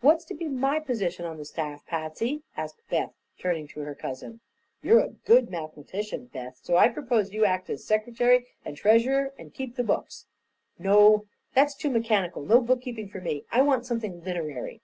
"What's to be my position on the staff, Patsy?" asked Beth, turning to her cousin. "You're a good mathematician, Beth, so I propose you act as secretary and treasurer, and keep the books." "No; that's too mechanical; no bookkeeping for me. I want something literary."